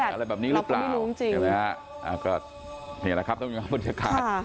ความเครียดอะไรแบบนี้หรือเปล่าเราก็ไม่รู้จริง